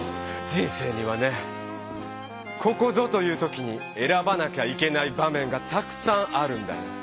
人生にはねここぞという時にえらばなきゃいけない場めんがたくさんあるんだよ。